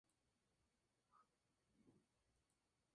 La prevalencia es menor a un caso por cada millón de habitantes.